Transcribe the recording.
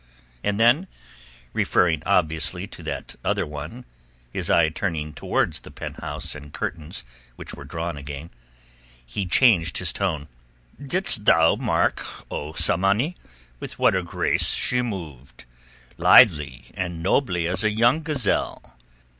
And then, referring obviously to that other one, his eye turning towards the penthouse the curtains of which were drawn again, he changed his tone. "Didst thou mark, O Tsamanni, with what a grace she moved?—lithely and nobly as a young gazelle.